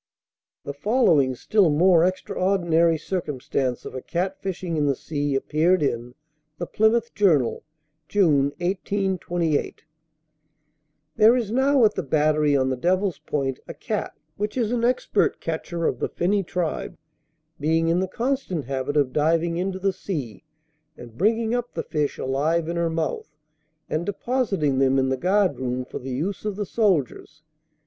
The following still more extraordinary circumstance of a cat fishing in the sea, appeared in The Plymouth Journal, June, 1828: "There is now at the battery on the Devil's Point, a cat, which is an expert catcher of the finny tribe, being in the constant habit of diving into the sea, and bringing up the fish alive in her mouth, and depositing them in the guard room for the use of the soldiers.